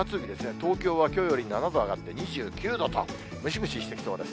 東京はきょうより７度上がって２９度と、ムシムシしてきそうです。